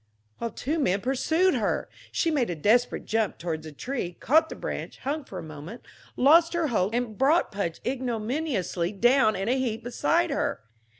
while two men pursued her. She made a desperate jump toward the tree, caught the branch, hung for a moment, lost her hold, and brought Pudge ignominiously down in a heap beside her.